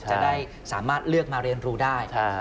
จะได้สามารถเลือกมาเรียนรู้ได้